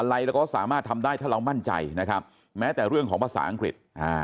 เราก็สามารถทำได้ถ้าเรามั่นใจนะครับแม้แต่เรื่องของภาษาอังกฤษ